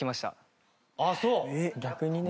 逆にね。